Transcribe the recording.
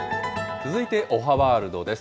続いておはワールドです。